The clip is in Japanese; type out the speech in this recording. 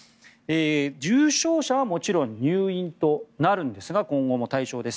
重症者はもちろん入院となるんですが今後も対象です。